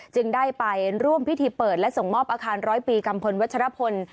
จึงได้ไปร่วมพิธีเปิดและส่งมอบอาคารร้อยปีกัมพลวัชรพล